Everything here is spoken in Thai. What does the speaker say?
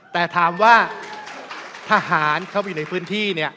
แต่ถามว่าทหารเข้าไปในพื้นที่